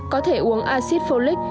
có thể uống acid folic